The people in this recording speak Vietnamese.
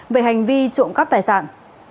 về hành vi trộm cắp tài sản